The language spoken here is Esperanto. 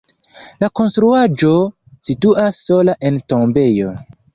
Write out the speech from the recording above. La konstruaĵo situas sola en tombejo.